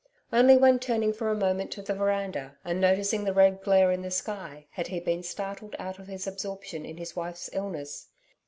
Only when turning for a moment to the veranda and noticing the red glare in the sky, had he been startled out of his absorption in his wife's illness.